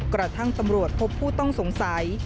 กระทั่งตำรวจพบผู้ต้องสงสัย